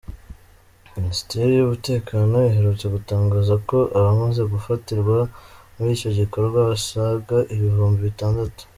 Minisiteri y’umutekano iherutse gutangaza ko abamaze gufatirwa muri icyo gikorwa basaga ibihumbi bitandatu.